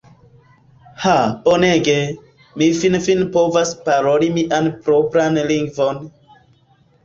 Ha bonege! Mi finfine povas paroli mian propran lingvon!